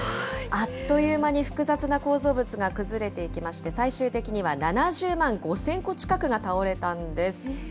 あっという間に複雑な構造物が崩れていきまして、最終的には７０万５０００個近くが倒れたんです。